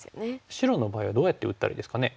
白の場合はどうやって打ったらいいですかね。